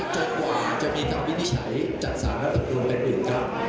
จนกว่าจะมีทางวินิจฉัยจัดสารและปรับปรุงเป็นอื่นครับ